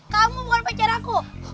kamu bukan pacar aku